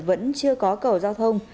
vẫn chưa có cầu giao thông